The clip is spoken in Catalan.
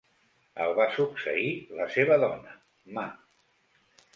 El va succeir la seva dona, Ma.